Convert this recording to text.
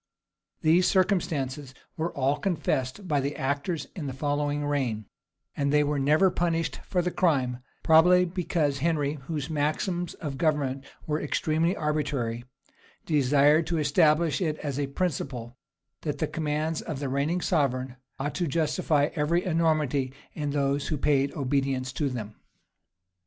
[*] These circumstances were all confessed by the actors in the following reign; and they were never punished for the crime; probably because Henry, whose maxims of government were extremely arbitrary, desired to establish it as a principle, that the commands of the reigning sovereign ought to justify every enormity in those who paid obedience to them.